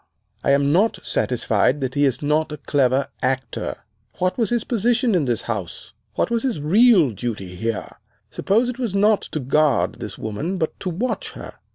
I am not satisfied that he is not a clever actor. What was his position in this house! What was his real duty here? Suppose it was not to guard this woman, but to watch her.